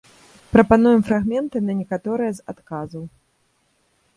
Прапануем фрагменты на некаторыя з адказаў.